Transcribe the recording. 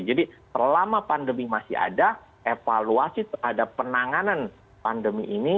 jadi selama pandemi masih ada evaluasi terhadap penanganan pandemi ini